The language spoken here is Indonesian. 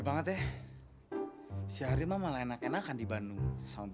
nunggu balik ke jakarta bagaimana kalo gue ditinggalin